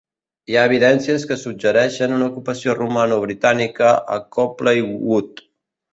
Hi ha evidències que suggereixen una ocupació romano-britànica a Copley Wood.